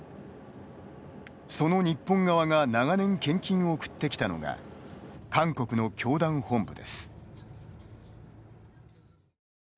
その日本側が長年、献金を送ってきたのが韓国の教団本部です。